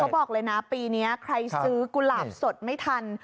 บอกเลยนะปีนี้ใครซื้อกุหลาบสดไม่ทัน